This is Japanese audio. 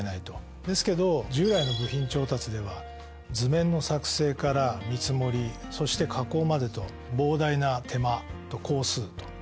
ですけど従来の部品調達では図面の作製から見積もりそして加工までと膨大な手間と工数というのがかかっていたんですね。